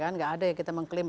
nggak ada yang kita mengklaim